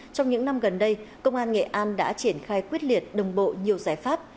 trong những năm gần đây công an nghệ an đã triển khai quyết liệt đồng bộ nhiều giải pháp